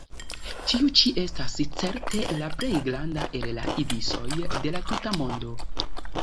Tiu ĉi estas certe la plej granda el la ibisoj de la tuta mondo.